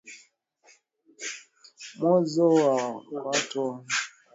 mwozo wa kwato unaoweza kuwaathiri mifugo wote ugonjwa wa miguu na midomo